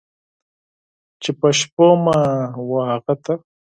چې په شپو مې و هغه ته!